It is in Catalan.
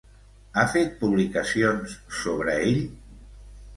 Ha fet publicacions sobre ell?